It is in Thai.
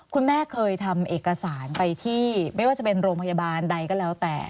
คุณแม่เคยทำเอกสารไปที่ไม่ว่าจะเป็นโรงพยาบาลใดก็แล้วแต่